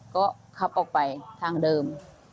ก็ขับออกไปทางเดิม